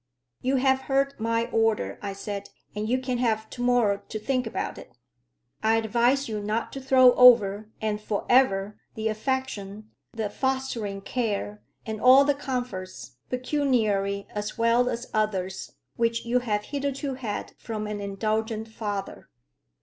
"You have heard my order," I said, "and you can have to morrow to think about it. I advise you not to throw over, and for ever, the affection, the fostering care, and all the comforts, pecuniary as well as others, which you have hitherto had from an indulgent father."